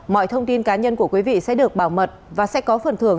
mọi thông tin cá nhân của quý vị sẽ được bảo mật và sẽ có phần thưởng